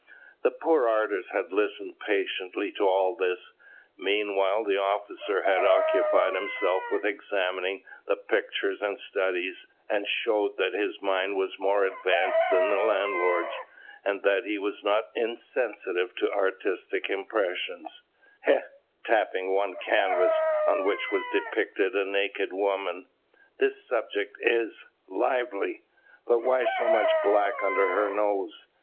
The poor artist had to listen patiently to all this. Meanwhile the officer had occupied himself with examining the pictures and studies, and showed that his mind was more advanced than the landlord's, and that he was not insensible to artistic impressions. "Heh!" said he, tapping one canvas, on which was depicted a naked woman, "this subject is lively. But why so much black under her nose?